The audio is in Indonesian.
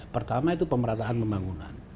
pertama itu pemerataan pembangunan